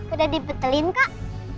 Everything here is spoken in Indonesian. udah dibetulin kok